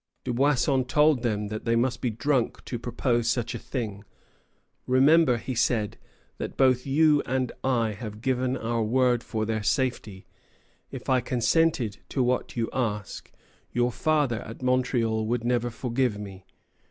Dubuisson told them that they must be drunk to propose such a thing. "Remember," he said, "that both you and I have given our word for their safety. If I consented to what you ask, your father at Montreal would never forgive me.